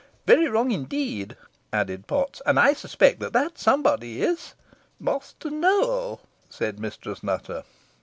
"Very wrong indeed," added Potts; "and I suspect that that somebody is " "Master Nowell," said Mistress Nutter.